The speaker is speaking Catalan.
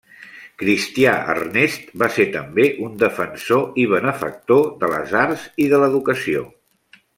Cristià Ernest va ser també un defensor i benefactor de les arts i de l'educació.